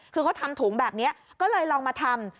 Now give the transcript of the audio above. คือเขาทำถุงแบบนี้ก็เลยลองมาทำ